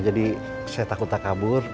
jadi saya takut tak kabur